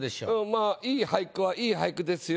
まあ良い俳句は良い俳句ですよ。